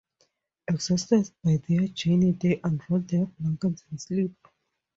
Exhausted by their journey, they unroll their blankets and sleep.